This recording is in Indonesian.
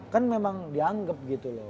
kan memang dianggap gitu loh